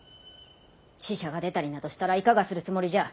死者が出たりなどしたらいかがするつもりじゃ！